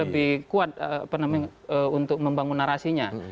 lebih kuat untuk membangun narasinya